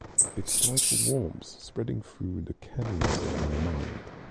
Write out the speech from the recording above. It’s like a warmth spreading through the canyons of my mind.